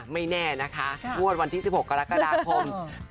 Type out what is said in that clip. ไม่แน่นะคะงวดวันที่๑๖กรกฎาคม